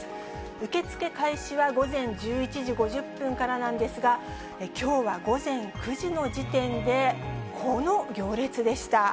受け付け開始は午前１１時５０分からなんですが、きょうは午前９時の時点で、この行列でした。